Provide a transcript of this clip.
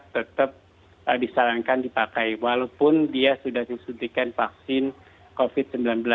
tetap disarankan dipakai walaupun dia sudah disuntikan vaksin covid sembilan belas